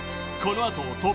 このあと